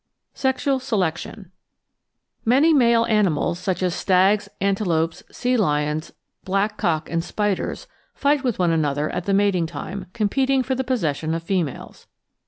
§ 10 Sexual Selection Many male animals, such as stags, antelopes, sea lions, black cock, and spiders, fight with one another at the mating time, competing for the possession of females.